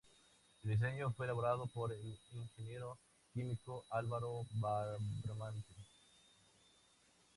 El diseño fue elaborado por el Ing. Químico Álvaro Bramante.